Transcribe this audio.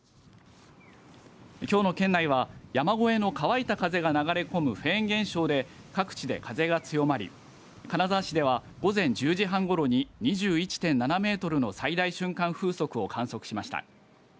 きょうの県内は、山越えの乾いた風が流れ込むフェーン現象で各地で風が強まり金沢市では午前１０時半ごろに２１．７メートルの最大瞬間風速を観測しました。